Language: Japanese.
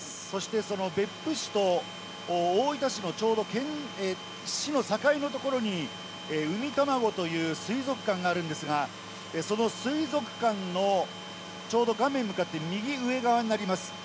そしてその別府市と大分市のちょうど市の境の所に、うみたまごという水族館があるんですが、その水族館のちょうど画面向かって右上側になります。